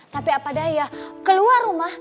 tapi apa daya keluar rumah